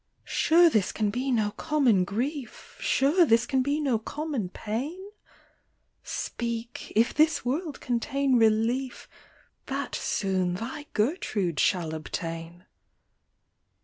231 " Sure this can be no common grief, Sure this can be no common pain ? Speak, if this world contain relief, That soon thy Gertrude shall obtain.